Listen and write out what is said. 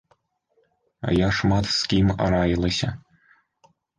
Я шмат з кім раілася.